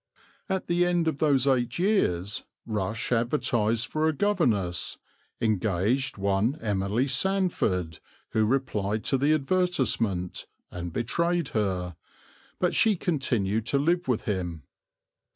At the end of those eight years Rush advertised for a governess, engaged one Emily Sandford, who replied to the advertisement, and betrayed her; but she continued to live with him.